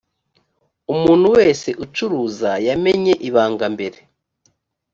umuntu wese ucuruza yamenye ibanga mbere